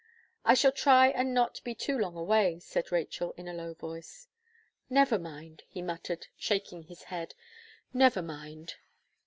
"I shall try and not be too long away," said Rachel in a low voice. "Never mind," he muttered, shaking his head, "never mind."